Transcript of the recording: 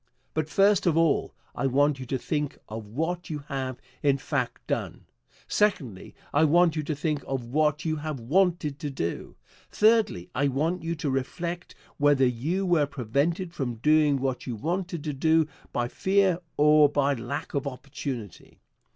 But, first of all, I want you to think of what you have in fact done. Secondly, I want you to think of what you have wanted to do. Thirdly, I want you to reflect whether you were prevented from doing what you wanted to do by fear or by lack of opportunity.